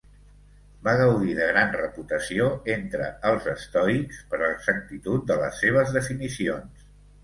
Va gaudir de gran reputació entre els estoics per l'exactitud de les seves definicions.